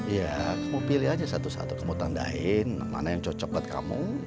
iya kamu pilih aja satu satu kamu tandain mana yang cocok buat kamu